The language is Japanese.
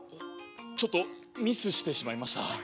ちょっとミスしてしまいました。